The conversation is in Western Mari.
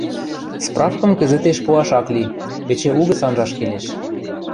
— Справкым кӹзӹтеш пуаш ак ли, эче угӹц анжаш келеш.